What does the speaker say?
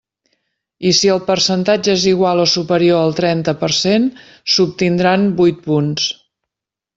I si el percentatge és igual o superior al trenta per cent s'obtindran vuit punts.